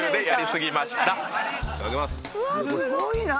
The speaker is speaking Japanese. すごいな。